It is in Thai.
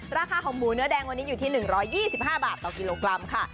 ราคาของหมูเนื้อแดงวันนี้อยู่ที่๑๒๕บาทต่อกิโลกรัมค่ะ